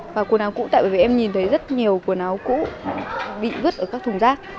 và quần áo cũ tại vì em nhìn thấy rất nhiều quần áo cũ bị vứt ở các thùng rác